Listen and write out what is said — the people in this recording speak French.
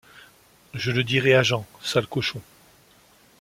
Je le dirai à Jean, sales cochons!